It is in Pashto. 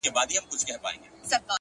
علم د ناپوهۍ زنجیرونه ماتوي.!